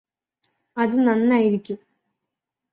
അത് നന്നായിരിക്കും